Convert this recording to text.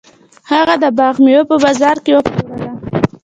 هغه د باغ میوه په بازار کې وپلورله.